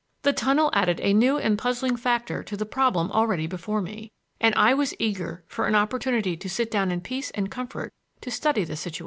The tunnel added a new and puzzling factor to the problem already before me, and I was eager for an opportunity to sit down in peace and comfort to study the situation.